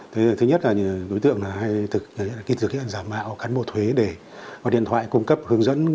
thứ nhất là đối tượng hay thực hiện giả mạo cán bộ thuế để gọi điện thoại cung cấp hướng dẫn